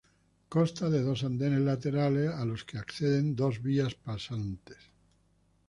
Consta de dos andenes laterales a los que acceden dos vías pasantes.